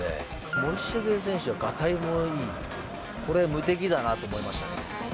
森重選手は、がたいもいい、これは無敵だなと思いましたね。